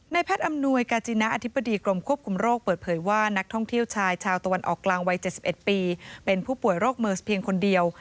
แพทย์อำนวยกาจินะอธิบดีกรมควบคุมโรคเปิดเผยว่านักท่องเที่ยวชายชาวตะวันออกกลางวัย๗๑ปีเป็นผู้ป่วยโรคเมอร์สเพียงคนเดียว